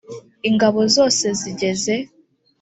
ingabo zose zigeze